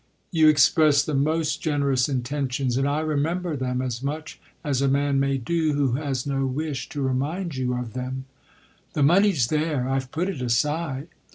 "You expressed the most generous intentions; and I remember them as much as a man may do who has no wish to remind you of them." "The money's there I've put it aside."